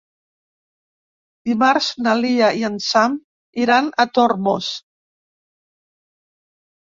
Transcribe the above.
Dimarts na Lia i en Sam iran a Tormos.